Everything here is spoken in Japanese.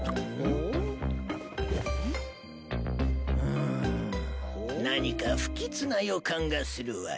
うん何か不吉な予感がするわい。